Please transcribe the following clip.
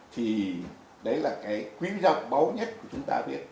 thì đấy là cái quý vị giáo báo nhất của chúng ta biết